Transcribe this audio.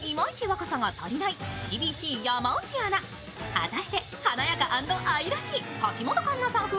果たして、華やか＆愛らしい橋本環奈さん風